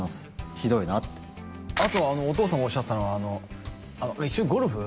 ひどいなってあとお父様がおっしゃってたのは一緒にゴルフ？